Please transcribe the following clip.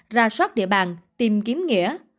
ra soát địa bàn tìm kiếm nghĩa